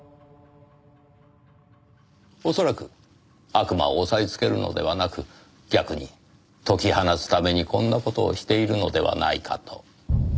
恐らく悪魔を抑えつけるのではなく逆に解き放つためにこんな事をしているのではないかと。